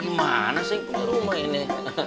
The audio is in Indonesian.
gimana sih keluar rumah ini